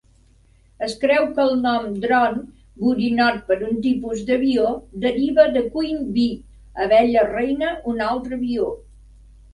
Es creu que el nom "drone" (borinot, per un tipus d'avió) deriva de "Queen Bee" (abella reina, un altre avió).